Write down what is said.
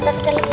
kita pake lantai